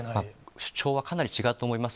主張はかなり違うと思います。